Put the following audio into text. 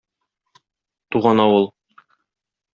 Туган авыл...